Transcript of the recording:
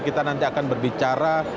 kita nanti akan berbicara